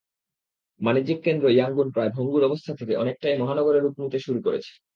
বাণিজ্যিক কেন্দ্র ইয়াঙ্গুন প্রায় ভঙ্গুর অবস্থা থেকে অনেকটাই মহানগরে রূপ নিতে শুরু করেছে।